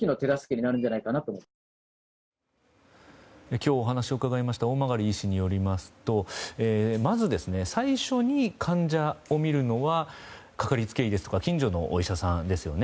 今日お話を伺いました大曲医師によりますとまず最初に患者を診るのはかかりつけ医ですとか近所のお医者さんですよね。